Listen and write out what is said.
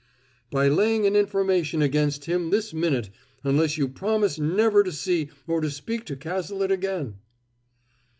"By laying an information against him this minute, unless you promise never to see or to speak to Cazalet again."